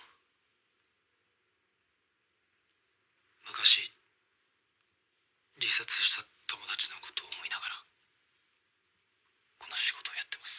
昔自殺した友達のことを思いながらこの仕事をやってます。